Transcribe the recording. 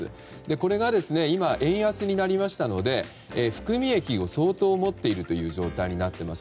これが今、円安になりましたので含み益を相当持っているという状態になっています。